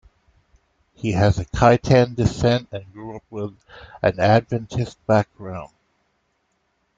He has a Kittian descent and grew up with an Adventist background.